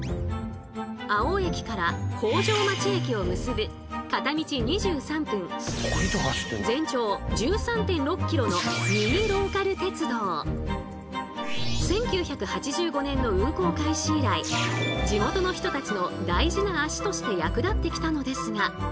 粟生駅から北条町駅を結ぶ片道２３分１９８５年の運行開始以来地元の人たちの大事な足として役立ってきたのですが。